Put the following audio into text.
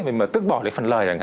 mình mà tức bỏ cái phần lời